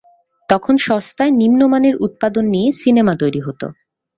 তখন সস্তায় নিম্ন মানের উপাদান দিয়ে সিনেমা তৈরি হতো।